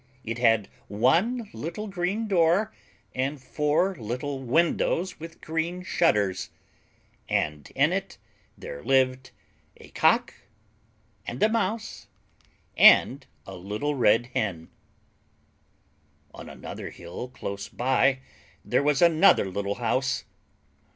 It had one little green door, and four little windows with green shutters, and in it there lived a Cock and a Mouse and a Little Red Hen[.] On another hill close by there was another little house.